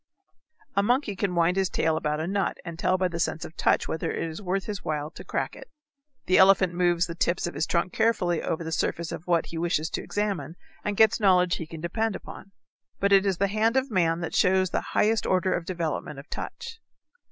A monkey can wind his tail about a nut and tell by the sense of touch whether it is worth his while to crack it. The elephant moves the tips of his trunk carefully over the surface of what he wishes to examine and gets knowledge he can depend upon. But it is the hand of man that shows the highest order of development of touch.